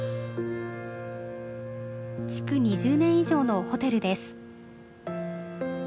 築２０年以上のホテルです。